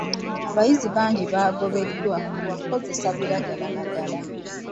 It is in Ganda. Abayizi bangi baagobeddwa ku lwa kukozesa ebiragalalagala.